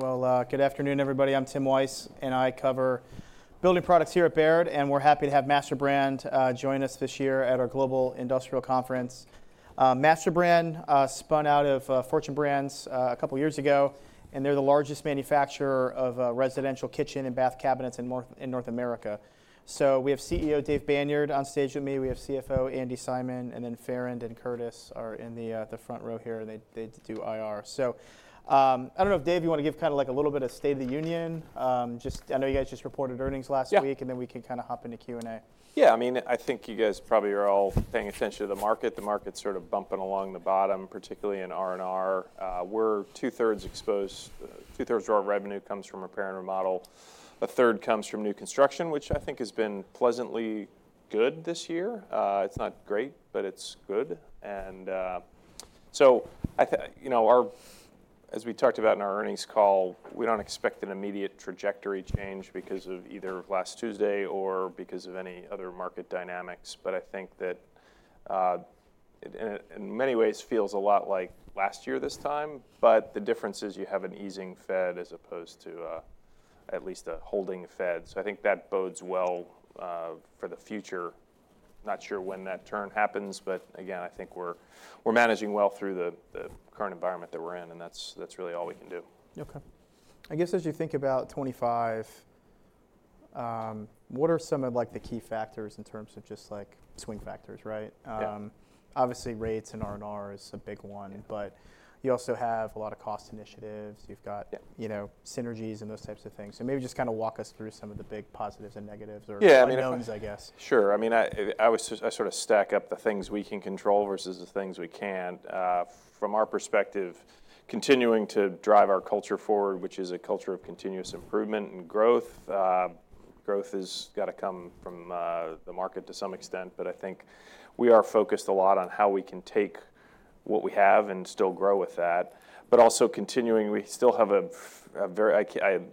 Good afternoon, everybody. I'm Tim Wojs, and I cover building products here at Baird, and we're happy to have MasterBrand join us this year at our Global Industrial Conference. MasterBrand spun out of Fortune Brands a couple of years ago, and they're the largest manufacturer of residential kitchen and bath cabinets in North America. So we have CEO Dave Banyard on stage with me. We have CFO Andi Simon, and then Farand and Curtis are in the front row here, and they do IR. So I don't know, Dave, do you want to give kind of like a little bit of state of the union? I know you guys just reported earnings last week, and then we can kind of hop into Q&A. Yeah, I mean, I think you guys probably are all paying attention to the market. The market's sort of bumping along the bottom, particularly in R&R. 2/3 of our revenue comes from repair and remodel. A third comes from new construction, which I think has been pleasantly good this year. It's not great, but it's good. And so as we talked about in our earnings call, we don't expect an immediate trajectory change because of either last Tuesday or because of any other market dynamics. But I think that in many ways feels a lot like last year this time, but the difference is you have an easing Fed as opposed to at least a holding Fed. So I think that bodes well for the future. Not sure when that turn happens, but again, I think we're managing well through the current environment that we're in, and that's really all we can do. OK. I guess as you think about 2025, what are some of the key factors in terms of just swing factors, right? Obviously, rates and R&R is a big one, but you also have a lot of cost initiatives. You've got synergies and those types of things. So maybe just kind of walk us through some of the big positives and negatives or unknowns, I guess. Sure. I mean, I sort of stack up the things we can control versus the things we can't. From our perspective, continuing to drive our culture forward, which is a culture of continuous improvement and growth. Growth has got to come from the market to some extent, but I think we are focused a lot on how we can take what we have and still grow with that. But also continuing, we still have a very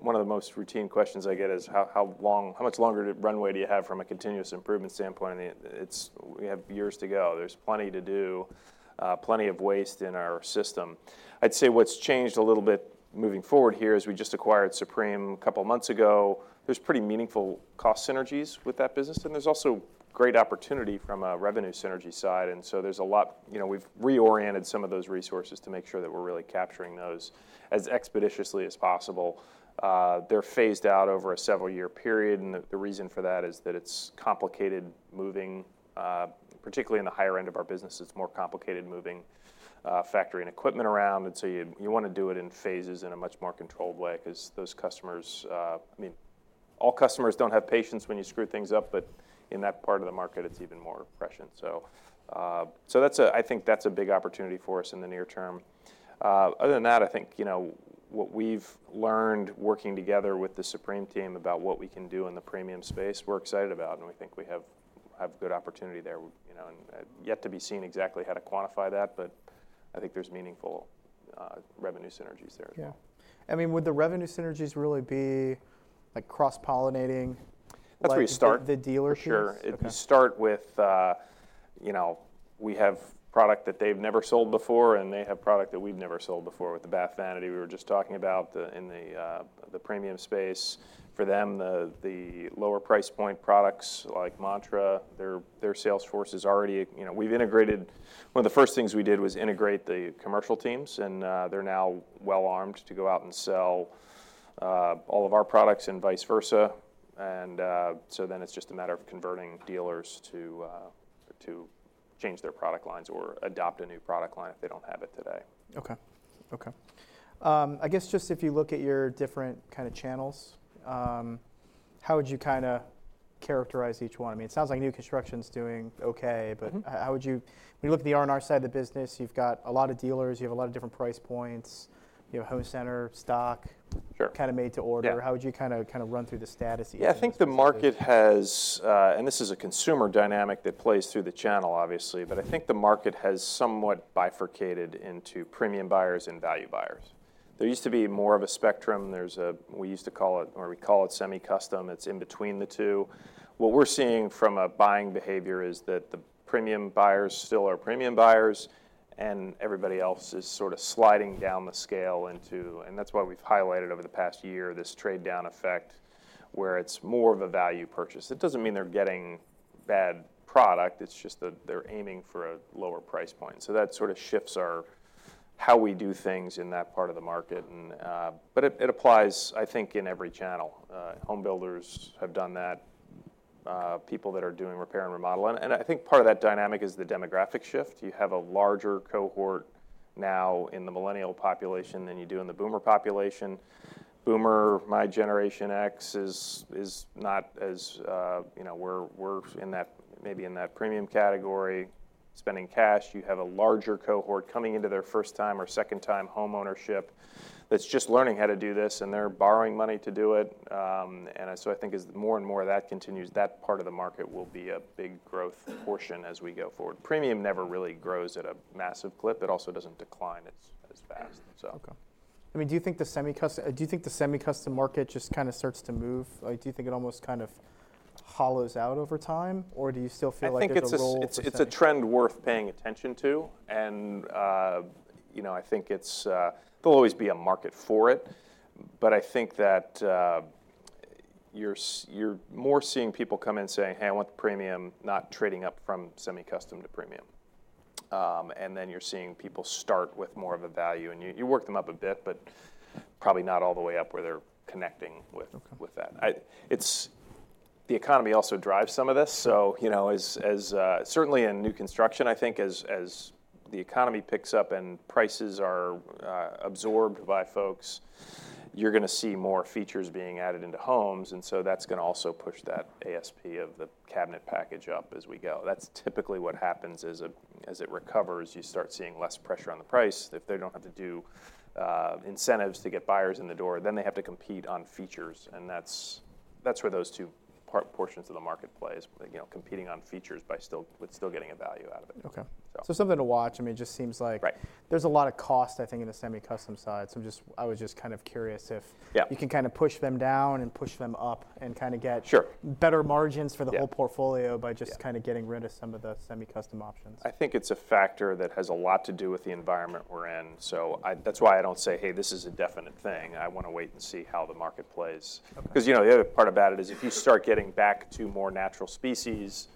one of the most routine questions I get is how much longer runway do you have from a continuous improvement standpoint? We have years to go. There's plenty to do, plenty of waste in our system. I'd say what's changed a little bit moving forward here is we just acquired Supreme a couple of months ago. There's pretty meaningful cost synergies with that business, and there's also great opportunity from a revenue synergy side. And so there's a lot we've reoriented some of those resources to make sure that we're really capturing those as expeditiously as possible. They're phased out over a several-year period, and the reason for that is that it's complicated moving, particularly in the higher end of our business. It's more complicated moving factory and equipment around, and so you want to do it in phases in a much more controlled way because those customers, I mean, all customers don't have patience when you screw things up, but in that part of the market, it's even more prescient. So I think that's a big opportunity for us in the near term. Other than that, I think what we've learned working together with the Supreme team about what we can do in the premium space, we're excited about, and we think we have a good opportunity there. Yet to be seen exactly how to quantify that, but I think there's meaningful revenue synergies there. Yeah. I mean, would the revenue synergies really be cross-pollinating the dealerships? Sure. It'd start with we have product that they've never sold before, and they have product that we've never sold before with the Bath vanity we were just talking about in the premium space. For them, the lower price point products like Mantra their salesforce is already integrated. One of the first things we did was integrate the commercial teams, and they're now well-armed to go out and sell all of our products and vice versa. And so then it's just a matter of converting dealers to change their product lines or adopt a new product line if they don't have it today. OK. I guess just if you look at your different kind of channels, how would you kind of characterize each one? I mean, it sounds like new construction's doing OK, but how would you when you look at the R&R side of the business, you've got a lot of dealers, you have a lot of different price points, you have home center stock kind of made to order. How would you kind of run through the status? Yeah, I think the market has and this is a consumer dynamic that plays through the channel, obviously, but I think the market has somewhat bifurcated into premium buyers and value buyers. There used to be more of a spectrum. We used to call it, or we call it semi-custom. It's in between the two. What we're seeing from a buying behavior is that the premium buyers still are premium buyers, and everybody else is sort of sliding down the scale into, and that's why we've highlighted over the past year this trade-down effect where it's more of a value purchase. It doesn't mean they're getting bad product. It's just that they're aiming for a lower price point. So that sort of shifts how we do things in that part of the market. But it applies, I think, in every channel. Home builders have done that, people that are doing repair and remodel, and I think part of that dynamic is the demographic shift. You have a larger cohort now in the Millennial population than you do in the Boomer population. Boomer, my Generation X is not as we're maybe in that premium category spending cash. You have a larger cohort coming into their first-time or second-time homeownership that's just learning how to do this, and they're borrowing money to do it, and so I think as more and more of that continues, that part of the market will be a big growth portion as we go forward. Premium never really grows at a massive clip. It also doesn't decline as fast. OK. I mean, do you think the semi-custom market just kind of starts to move? Do you think it almost kind of hollows out over time, or do you still feel like it's a role? I think it's a trend worth paying attention to, and I think there'll always be a market for it. But I think that you're more seeing people come in saying, hey, I want the premium, not trading up from semi-custom to premium. And then you're seeing people start with more of a value, and you work them up a bit, but probably not all the way up where they're connecting with that. The economy also drives some of this. So certainly in new construction, I think as the economy picks up and prices are absorbed by folks, you're going to see more features being added into homes, and so that's going to also push that ASP of the cabinet package up as we go. That's typically what happens as it recovers. You start seeing less pressure on the price. If they don't have to do incentives to get buyers in the door, then they have to compete on features, and that's where those two portions of the market play, competing on features with still getting a value out of it. Okay. So something to watch. I mean, it just seems like there's a lot of cost, I think, in the semi-custom side. So I was just kind of curious if you can kind of push them down and push them up and kind of get better margins for the whole portfolio by just kind of getting rid of some of the semi-custom options? I think it's a factor that has a lot to do with the environment we're in. So that's why I don't say, hey, this is a definite thing. I want to wait and see how the market plays. Because the other part about it is if you start getting back to more natural species,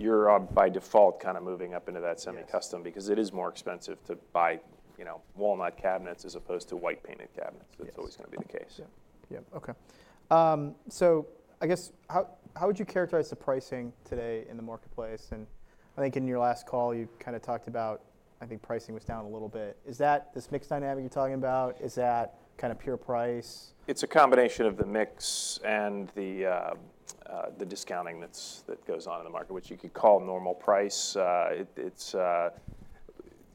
you're by default kind of moving up into that semi-custom because it is more expensive to buy walnut cabinets as opposed to white-painted cabinets. That's always going to be the case. Yeah. OK. So I guess how would you characterize the pricing today in the marketplace? And I think in your last call, you kind of talked about, I think pricing was down a little bit. Is that this mixed dynamic you're talking about? Is that kind of pure price? It's a combination of the mix and the discounting that goes on in the market, which you could call normal price.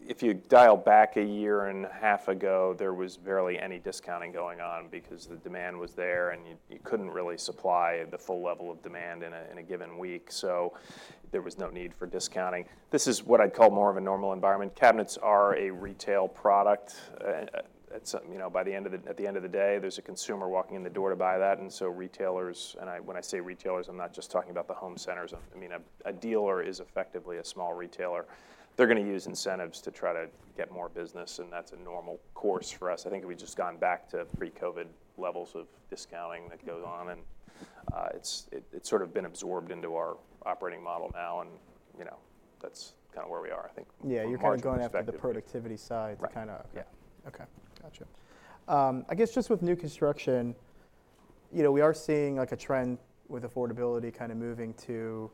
If you dial back a year and a half ago, there was barely any discounting going on because the demand was there, and you couldn't really supply the full level of demand in a given week. So there was no need for discounting. This is what I'd call more of a normal environment. Cabinets are a retail product. At the end of the day, there's a consumer walking in the door to buy that, and so retailers, and when I say retailers, I'm not just talking about the home centers. I mean, a dealer is effectively a small retailer. They're going to use incentives to try to get more business, and that's a normal course for us. I think we've just gone back to pre-COVID levels of discounting that goes on, and it's sort of been absorbed into our operating model now, and that's kind of where we are, I think. Yeah, you're kind of going after the productivity side to kind of. Yeah. OK. Gotcha. I guess just with new construction, we are seeing a trend with affordability kind of moving to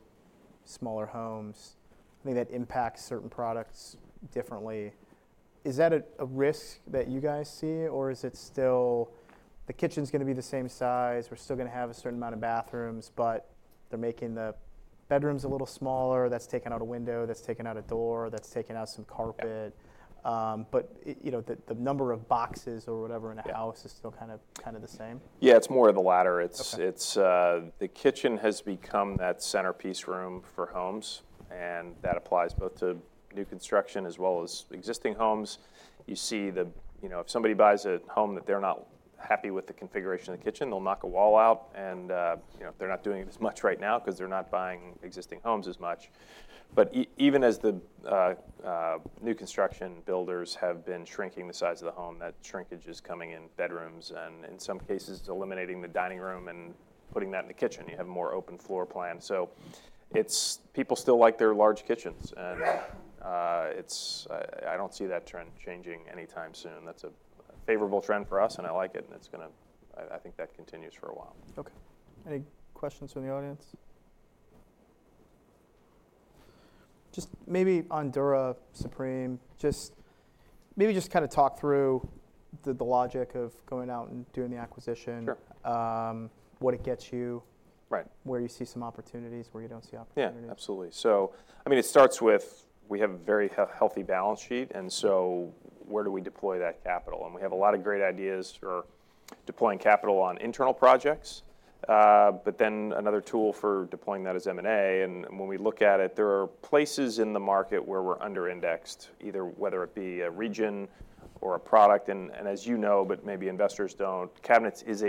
smaller homes. I think that impacts certain products differently. Is that a risk that you guys see, or is it still the kitchen's going to be the same size? We're still going to have a certain amount of bathrooms, but they're making the bedrooms a little smaller. That's taken out a window. That's taken out a door. That's taken out some carpet. But the number of boxes or whatever in a house is still kind of the same? Yeah, it's more of the latter. The kitchen has become that centerpiece room for homes, and that applies both to new construction as well as existing homes. You see if somebody buys a home that they're not happy with the configuration of the kitchen, they'll knock a wall out, and they're not doing it as much right now because they're not buying existing homes as much. But even as the new construction builders have been shrinking the size of the home, that shrinkage is coming in bedrooms and in some cases eliminating the dining room and putting that in the kitchen. You have more open floor plan. So people still like their large kitchens, and I don't see that trend changing any time soon. That's a favorable trend for us, and I like it, and I think that continues for a while. OK. Any questions from the audience? Just maybe on Dura Supreme, just maybe just kind of talk through the logic of going out and doing the acquisition, what it gets you, where you see some opportunities, where you don't see opportunities. Yeah, absolutely. So, I mean, it starts with we have a very healthy balance sheet, and so where do we deploy that capital? We have a lot of great ideas for deploying capital on internal projects, but then another tool for deploying that is M&A. When we look at it, there are places in the market where we're under-indexed, either whether it be a region or a product. As you know, but maybe investors don't, cabinets is,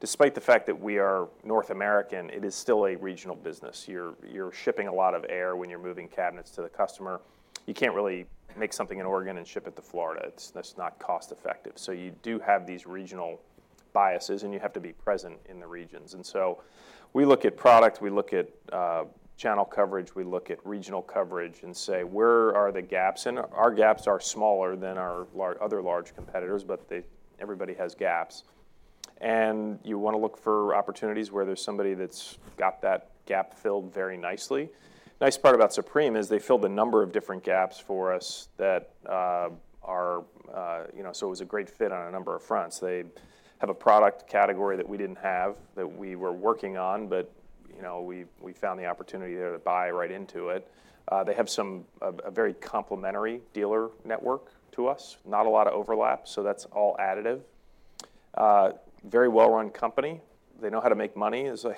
despite the fact that we are North American, still a regional business. You're shipping a lot of air when you're moving cabinets to the customer. You can't really make something in Oregon and ship it to Florida. That's not cost-effective. You do have these regional biases, and you have to be present in the regions. We look at product. We look at channel coverage. We look at regional coverage and say, where are the gaps? And our gaps are smaller than our other large competitors, but everybody has gaps. And you want to look for opportunities where there's somebody that's got that gap filled very nicely. The nice part about Supreme is they filled a number of different gaps for us that are so it was a great fit on a number of fronts. They have a product category that we didn't have that we were working on, but we found the opportunity there to buy right into it. They have a very complementary dealer network to us, not a lot of overlap, so that's all additive. Very well-run company. They know how to make money, as I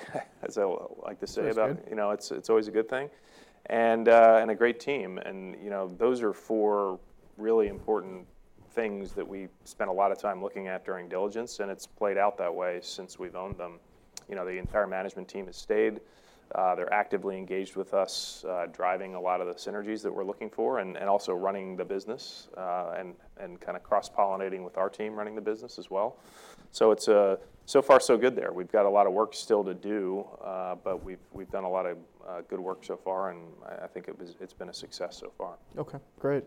like to say about it. It's always a good thing, and a great team. And those are four really important things that we spent a lot of time looking at during diligence, and it's played out that way since we've owned them. The entire management team has stayed. They're actively engaged with us, driving a lot of the synergies that we're looking for, and also running the business and kind of cross-pollinating with our team running the business as well. So it's so far so good there. We've got a lot of work still to do, but we've done a lot of good work so far, and I think it's been a success so far. OK. Great.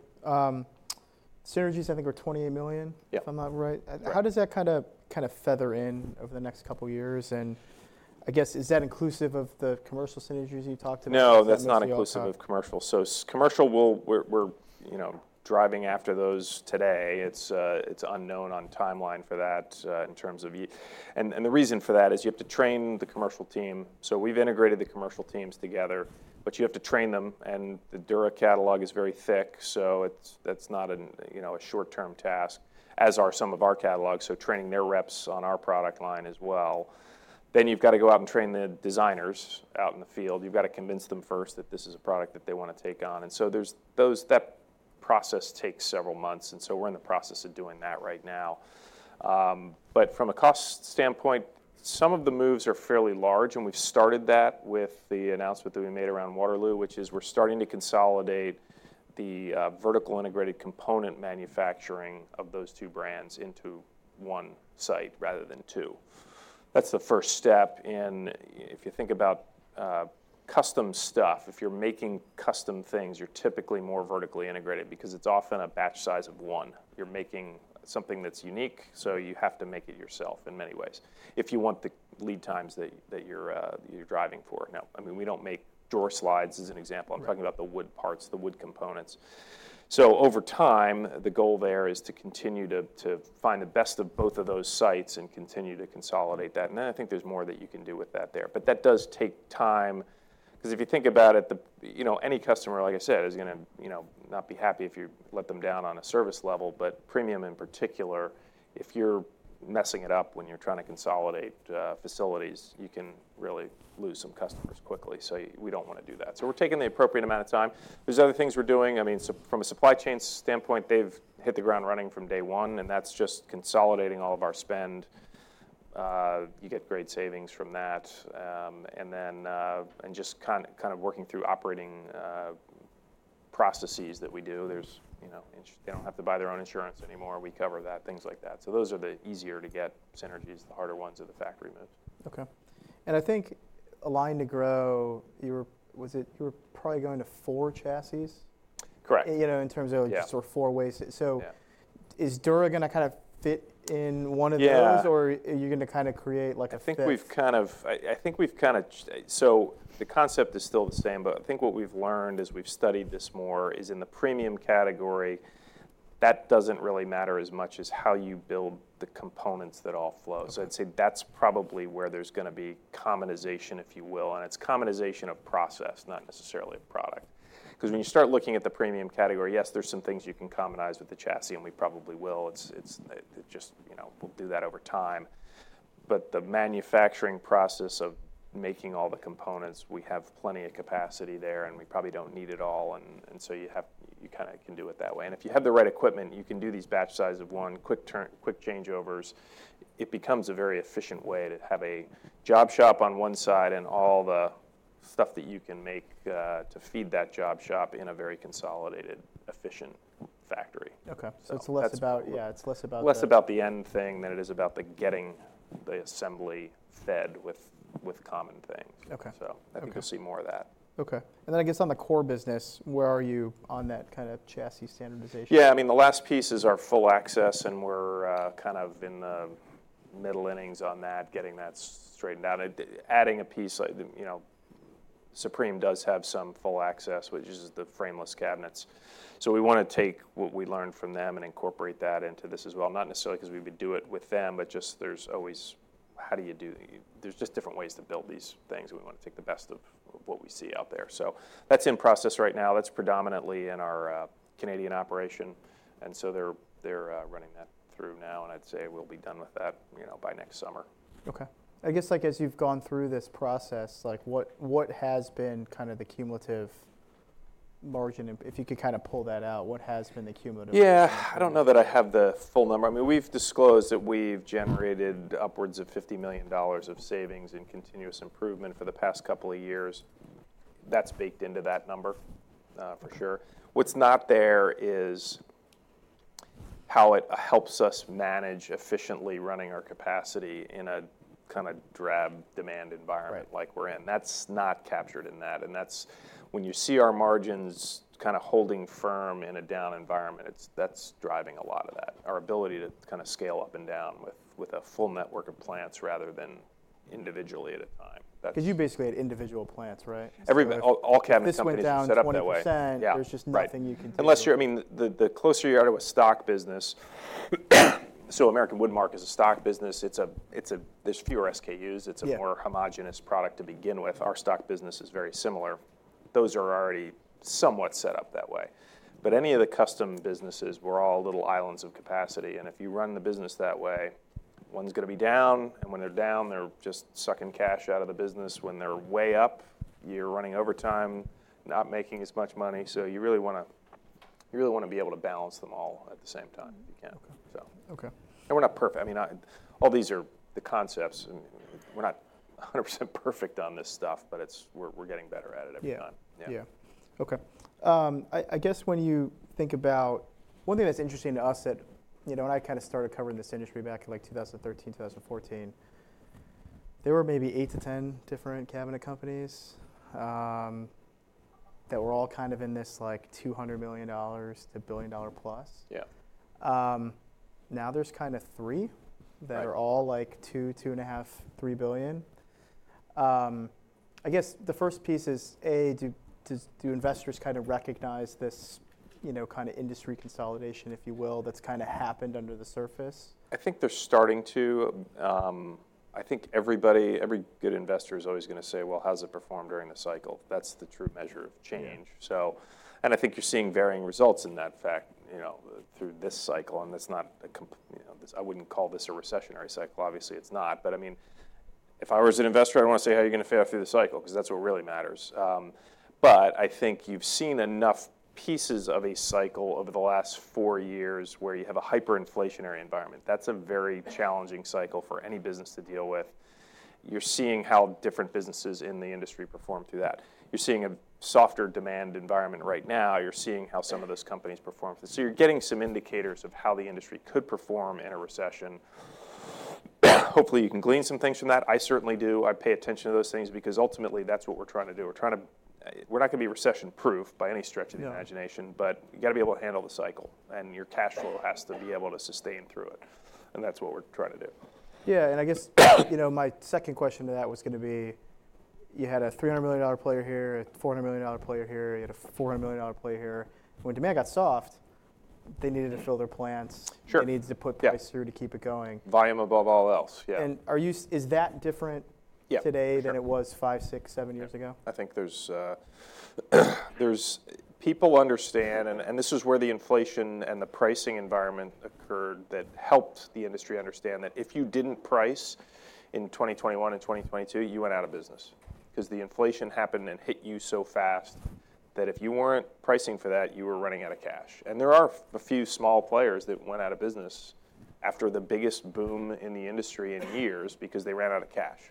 Synergies, I think, were $28 million, if I'm not right. How does that kind of phase in over the next couple of years? And I guess, is that inclusive of the commercial synergies you talked about? No, that's not inclusive of commercial. So commercial, we're driving after those today. It's unknown on timeline for that in terms of and the reason for that is you have to train the commercial team. So we've integrated the commercial teams together, but you have to train them, and the Dura catalog is very thick, so that's not a short-term task, as are some of our catalogs. So training their reps on our product line as well. Then you've got to go out and train the designers out in the field. You've got to convince them first that this is a product that they want to take on. And so that process takes several months, and so we're in the process of doing that right now. From a cost standpoint, some of the moves are fairly large, and we've started that with the announcement that we made around Waterloo, which is we're starting to consolidate the vertically integrated component manufacturing of those two brands into one site rather than two. That's the first step. If you think about custom stuff, if you're making custom things, you're typically more vertically integrated because it's often a batch size of one. You're making something that's unique, so you have to make it yourself in many ways if you want the lead times that you're driving for. Now, I mean, we don't make door slides as an example. I'm talking about the wood parts, the wood components. Over time, the goal there is to continue to find the best of both of those sites and continue to consolidate that. And then I think there's more that you can do with that there. But that does take time because if you think about it, any customer, like I said, is going to not be happy if you let them down on a service level. But premium in particular, if you're messing it up when you're trying to consolidate facilities, you can really lose some customers quickly. So we don't want to do that. So we're taking the appropriate amount of time. There's other things we're doing. I mean, from a supply chain standpoint, they've hit the ground running from day one, and that's just consolidating all of our spend. You get great savings from that. And just kind of working through operating processes that we do. They don't have to buy their own insurance anymore. We cover that, things like that. So, those are the easier to get synergies, the harder ones are the factory moves. OK, and I think Align to Grow, you were probably going to four chassis? Correct. In terms of sort of four ways. So is Dura going to kind of fit in one of those, or are you going to kind of create like a? I think we've kind of, so the concept is still the same, but I think what we've learned as we've studied this more is in the premium category, that doesn't really matter as much as how you build the components that all flow. So I'd say that's probably where there's going to be commonization, if you will, and it's commonization of process, not necessarily of product. Because when you start looking at the premium category, yes, there's some things you can commonize with the chassis, and we probably will. We'll do that over time. But the manufacturing process of making all the components, we have plenty of capacity there, and we probably don't need it all, and so you kind of can do it that way, and if you have the right equipment, you can do these batch size of one, quick changeovers. It becomes a very efficient way to have a job shop on one side and all the stuff that you can make to feed that job shop in a very consolidated, efficient factory. OK. So it's less about, yeah. Less about the end thing than it is about getting the assembly fed with common things. So you'll see more of that. OK. And then I guess on the core business, where are you on that kind of chassis standardization? Yeah, I mean, the last piece is our full access, and we're kind of in the middle innings on that, getting that straightened out. Adding a piece, Supreme does have some full access, which is the frameless cabinets. So we want to take what we learned from them and incorporate that into this as well. Not necessarily because we would do it with them, but just there's always how do you do there's just different ways to build these things, and we want to take the best of what we see out there. So that's in process right now. That's predominantly in our Canadian operation, and so they're running that through now, and I'd say we'll be done with that by next summer. OK. I guess as you've gone through this process, what has been kind of the cumulative margin? If you could kind of pull that out, what has been the cumulative? Yeah, I don't know that I have the full number. I mean, we've disclosed that we've generated upwards of $50 million of savings in continuous improvement for the past couple of years. That's baked into that number for sure. What's not there is how it helps us manage efficiently running our capacity in a kind of down demand environment like we're in. That's not captured in that. And when you see our margins kind of holding firm in a down environment, that's driving a lot of that, our ability to kind of scale up and down with a full network of plants rather than individually at a time. Because you basically had individual plants, right? All cabinets have been set up that way. This went down to one set. There's just nothing you can do. Unless you're, I mean, the closer you are to a stock business, so American Woodmark is a stock business. There's fewer SKUs. It's a more homogeneous product to begin with. Our stock business is very similar. Those are already somewhat set up that way, but any of the custom businesses, we're all little islands of capacity, and if you run the business that way, one's going to be down, and when they're down, they're just sucking cash out of the business. When they're way up, you're running overtime, not making as much money, so you really want to be able to balance them all at the same time if you can, and we're not perfect. I mean, all these are the concepts. We're not 100% perfect on this stuff, but we're getting better at it every time. Yeah. OK. I guess when you think about one thing that's interesting to us that when I kind of started covering this industry back in like 2013, 2014, there were maybe eight to 10 different cabinet companies that were all kind of in this $200 million-$1 billion plus. Now there's kind of three that are all like $2 billion, $2.5 billion, $3 billion. I guess the first piece is, A, do investors kind of recognize this kind of industry consolidation, if you will, that's kind of happened under the surface? I think they're starting to. I think everybody, every good investor is always going to say, well, how's it performed during the cycle? That's the true measure of change. And I think you're seeing varying results, in fact, through this cycle, and it's not. I wouldn't call this a recessionary cycle. Obviously, it's not. But I mean, if I were, as an investor, I'd want to say, how are you going to fare through the cycle? Because that's what really matters. But I think you've seen enough pieces of a cycle over the last four years where you have a hyperinflationary environment. That's a very challenging cycle for any business to deal with. You're seeing how different businesses in the industry perform through that. You're seeing a softer demand environment right now. You're seeing how some of those companies perform. So you're getting some indicators of how the industry could perform in a recession. Hopefully, you can glean some things from that. I certainly do. I pay attention to those things because ultimately, that's what we're trying to do. We're not going to be recession-proof by any stretch of the imagination, but you've got to be able to handle the cycle, and your cash flow has to be able to sustain through it. And that's what we're trying to do. Yeah, and I guess my second question to that was going to be, you had a $300 million player here, a $400 million player here, you had a $400 million player here. When demand got soft, they needed to fill their plants. They needed to put price through to keep it going. Volume above all else, yeah. Is that different today than it was five, six, seven years ago? I think there's people understand, and this is where the inflation and the pricing environment occurred that helped the industry understand that if you didn't price in 2021 and 2022, you went out of business. Because the inflation happened and hit you so fast that if you weren't pricing for that, you were running out of cash. And there are a few small players that went out of business after the biggest boom in the industry in years because they ran out of cash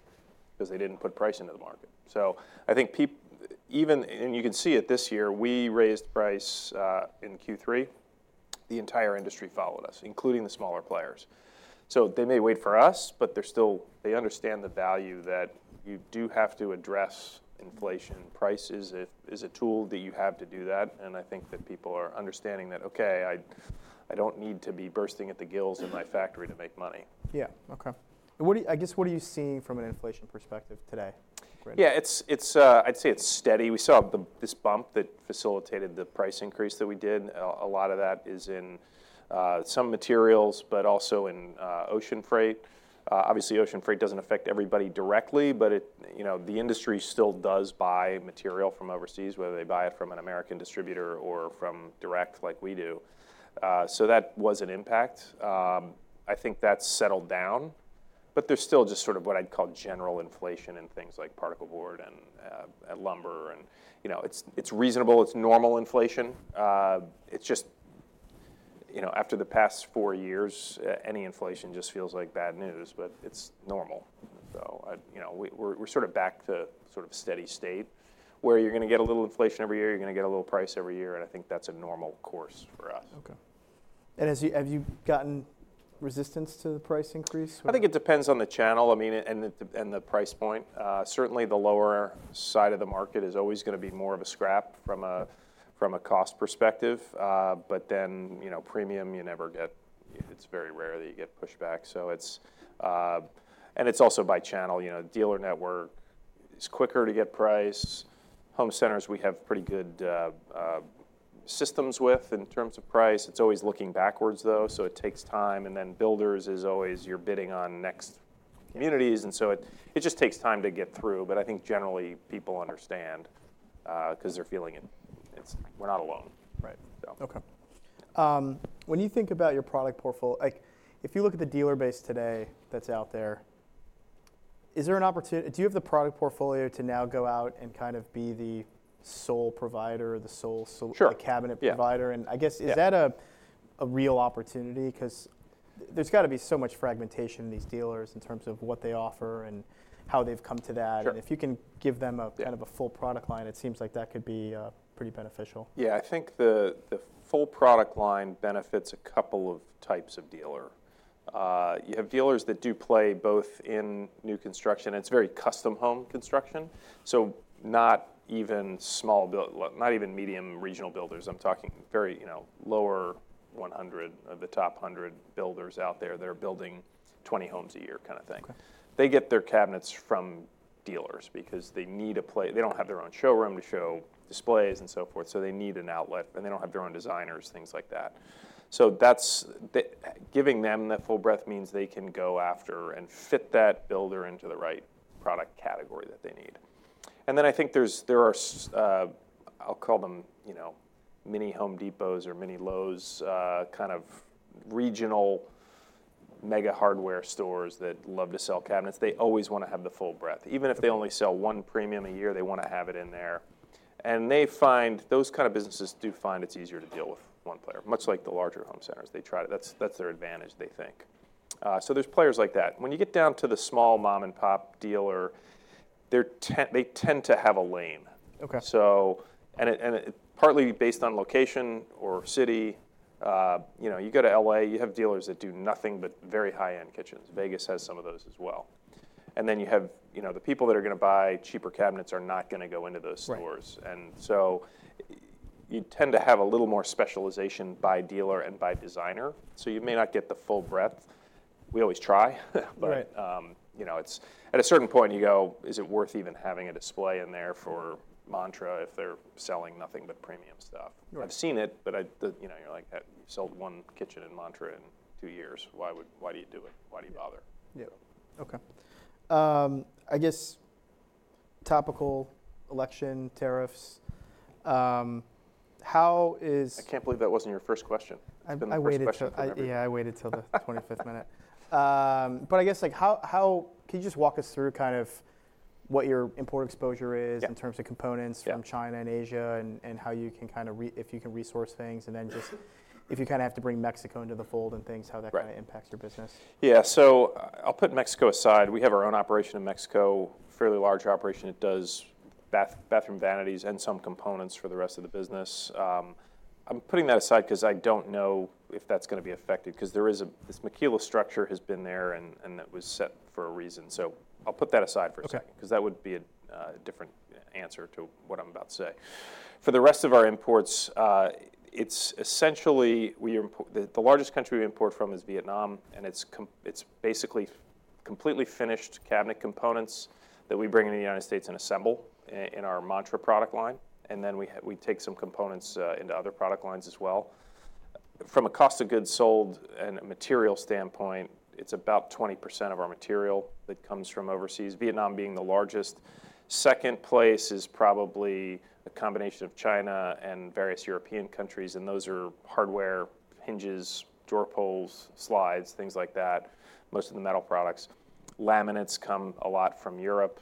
because they didn't put price into the market. So I think even and you can see it this year. We raised price in Q3. The entire industry followed us, including the smaller players. So they may wait for us, but they understand the value that you do have to address inflation. Price is a tool that you have to do that. And I think that people are understanding that, OK, I don't need to be bursting at the gills in my factory to make money. Yeah. OK. I guess what are you seeing from an inflation perspective today? Yeah, I'd say it's steady. We saw this bump that facilitated the price increase that we did. A lot of that is in some materials, but also in ocean freight. Obviously, ocean freight doesn't affect everybody directly, but the industry still does buy material from overseas, whether they buy it from an American distributor or from direct like we do. So that was an impact. I think that's settled down, but there's still just sort of what I'd call general inflation in things like particle board and lumber, and it's reasonable. It's normal inflation. It's just after the past four years, any inflation just feels like bad news, but it's normal, so we're sort of back to sort of a steady state where you're going to get a little inflation every year. You're going to get a little price every year, and I think that's a normal course for us. OK. And have you gotten resistance to the price increase? I think it depends on the channel and the price point. Certainly, the lower side of the market is always going to be more of a scrap from a cost perspective, but then premium, you never get it. It's very rare that you get pushback, and it's also by channel. Dealer network is quicker to get price. Home centers, we have pretty good systems within terms of price. It's always looking backwards, though, so it takes time, and then builders is always you're bidding on next communities, and so it just takes time to get through, but I think generally, people understand because they're feeling it. We're not alone. Right. OK. When you think about your product portfolio, if you look at the dealer base today that's out there, is there an opportunity? Do you have the product portfolio to now go out and kind of be the sole provider, the sole cabinet provider? And I guess is that a real opportunity? Because there's got to be so much fragmentation in these dealers in terms of what they offer and how they've come to that. And if you can give them kind of a full product line, it seems like that could be pretty beneficial. Yeah, I think the full product line benefits a couple of types of dealer. You have dealers that do play both in new construction. It's very custom home construction, so not even small, not even medium regional builders. I'm talking very lower 100 of the top 100 builders out there that are building 20 homes a year kind of thing. They get their cabinets from dealers because they need a play. They don't have their own showroom to show displays and so forth, so they need an outlet, and they don't have their own designers, things like that. So giving them that full breadth means they can go after and fit that builder into the right product category that they need. And then I think there are. I'll call them mini Home Depots or mini Lowe's kind of regional mega hardware stores that love to sell cabinets. They always want to have the full breadth. Even if they only sell one premium a year, they want to have it in there, and those kind of businesses do find it's easier to deal with one player, much like the larger home centers. They try to that's their advantage, they think, so there's players like that. When you get down to the small mom-and-pop dealer, they tend to have a lane, and partly based on location or city, you go to LA, you have dealers that do nothing but very high-end kitchens. Vegas has some of those as well, and then you have the people that are going to buy cheaper cabinets are not going to go into those stores, and so you tend to have a little more specialization by dealer and by designer, so you may not get the full breadth. We always try. But at a certain point, you go, is it worth even having a display in there for Mantra if they're selling nothing but premium stuff? I've seen it, but you're like, you've sold one kitchen in Mantra in two years. Why do you do it? Why do you bother? Yeah. OK. I guess topical election tariffs. How is. I can't believe that wasn't your first question. I waited. Yeah, I waited till the 25th minute. But I guess, can you just walk us through kind of what your import exposure is in terms of components from China and Asia and how you can kind of, if you can, resource things and then just if you kind of have to bring Mexico into the fold and things, how that kind of impacts your business? Yeah, so I'll put Mexico aside. We have our own operation in Mexico, a fairly large operation. It does bathroom vanities and some components for the rest of the business. I'm putting that aside because I don't know if that's going to be effective because this maquiladora structure has been there and that was set for a reason, so I'll put that aside for a second because that would be a different answer to what I'm about to say. For the rest of our imports, it's essentially the largest country we import from is Vietnam, and it's basically completely finished cabinet components that we bring into the United States and assemble in our Mantra product line, and then we take some components into other product lines as well. From a cost of goods sold and material standpoint, it's about 20% of our material that comes from overseas, Vietnam being the largest. Second place is probably a combination of China and various European countries, and those are hardware, hinges, door pulls, slides, things like that, most of the metal products. Laminates come a lot from Europe.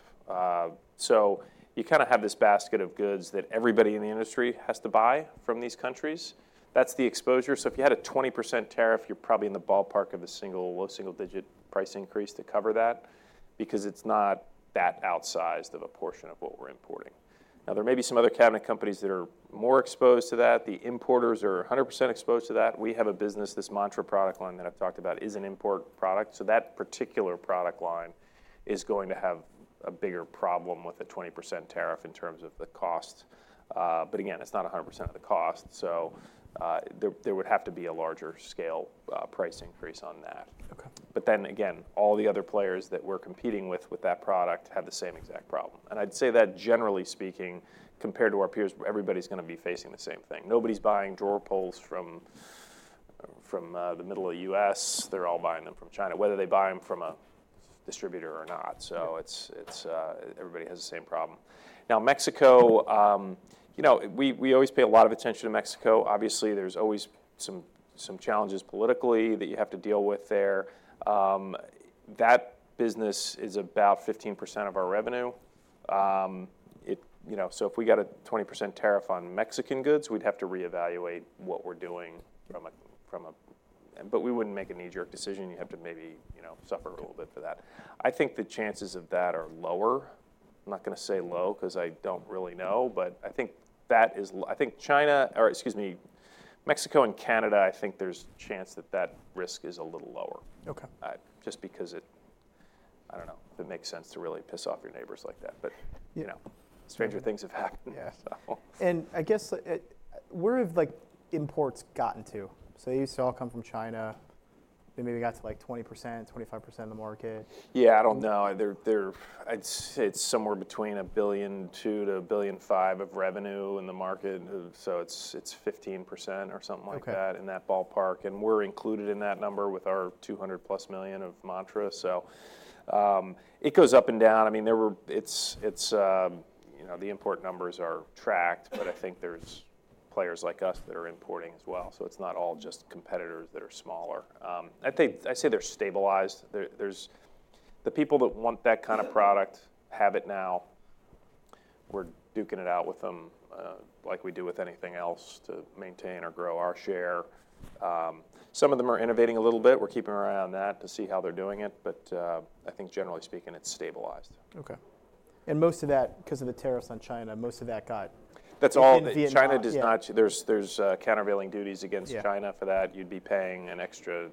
So you kind of have this basket of goods that everybody in the industry has to buy from these countries. That's the exposure. So if you had a 20% tariff, you're probably in the ballpark of a single low single-digit price increase to cover that because it's not that outsized of a portion of what we're importing. Now, there may be some other cabinet companies that are more exposed to that. The importers are 100% exposed to that. We have a business. This Mantra product line that I've talked about is an import product. So that particular product line is going to have a bigger problem with a 20% tariff in terms of the cost. But again, it's not 100% of the cost. So there would have to be a larger scale price increase on that. But then again, all the other players that we're competing with with that product have the same exact problem. I'd say that generally speaking, compared to our peers, everybody's going to be facing the same thing. Nobody's buying drawer pulls from the middle of the U.S. They're all buying them from China, whether they buy them from a distributor or not. So everybody has the same problem. Now, Mexico, we always pay a lot of attention to Mexico. Obviously, there's always some challenges politically that you have to deal with there. That business is about 15% of our revenue. So if we got a 20% tariff on Mexican goods, we'd have to reevaluate what we're doing. But we wouldn't make a knee-jerk decision. You have to maybe suffer a little bit for that. I think the chances of that are lower. I'm not going to say low because I don't really know. But I think that is I think China or excuse me, Mexico and Canada, I think there's a chance that that risk is a little lower just because it I don't know if it makes sense to really piss off your neighbors like that. But stranger things have happened. Yeah, and I guess where have imports gotten to, so they used to all come from China. They maybe got to like 20%-25% of the market. Yeah, I don't know. I'd say it's somewhere between $1.2 billion-$1.5 billion of revenue in the market. So it's 15% or something like that in that ballpark. And we're included in that number with our $200-plus million of Mantra. So it goes up and down. I mean, the import numbers are tracked, but I think there's players like us that are importing as well. So it's not all just competitors that are smaller. I'd say they're stabilized. The people that want that kind of product have it now. We're duking it out with them like we do with anything else to maintain or grow our share. Some of them are innovating a little bit. We're keeping our eye on that to see how they're doing it. But I think generally speaking, it's stabilized. OK. And most of that, because of the tariffs on China, most of that got. That's all. China does not. There's countervailing duties against China for that. You'd be paying an extra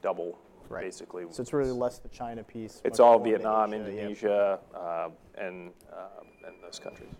double, basically. So it's really less the China piece. It's all Vietnam, Indonesia, and those countries.